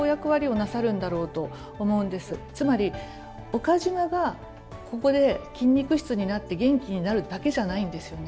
つまり岡島がここで筋肉質になって元気になるだけじゃないんですよね。